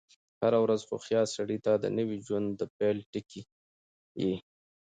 هره ورځ هوښیار سړي ته د نوی ژوند د پيل ټکی يي.